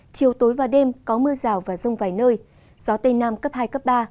chiều tối và đêm có mưa rào và rông vài nơi gió tây nam cấp hai cấp ba